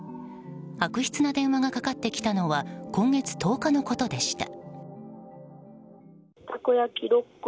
悪質な電話がかかってきたのは今月１０日のことでした。